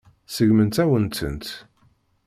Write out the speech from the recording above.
Seggment-awen-tent.